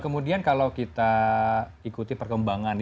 kemudian kalau kita ikuti perkembangan